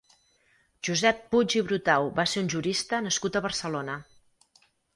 Josep Puig i Brutau va ser un jurista nascut a Barcelona.